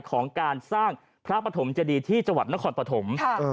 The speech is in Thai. ของการสร้างพระปฐมเจดีที่จังหวัดนครปฐม